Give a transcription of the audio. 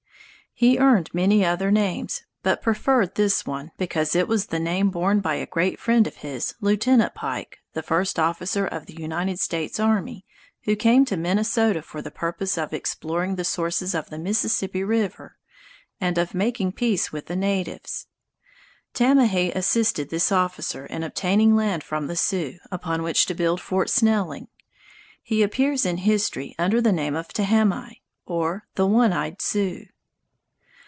He earned many other names, but preferred this one, because it was the name borne by a great friend of his, Lieutenant Pike, the first officer of the United States Army who came to Minnesota for the purpose of exploring the sources of the Mississippi River and of making peace with the natives. Tamahay assisted this officer in obtaining land from the Sioux upon which to build Fort Snelling. He appears in history under the name of "Tahamie" or the "One Eyed Sioux."